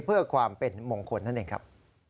เพื่อความเป็นมงคลนั่นเองครับ